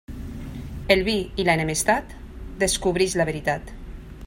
El vi i l'enemistat descobreix la veritat.